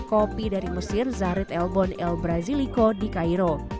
kopi dari mesir zarit elbon el brasilico di kairu